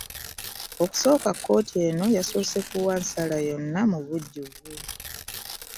Okusooka kkooti eno yasoose kuwa nsala yonna mu bujjuvu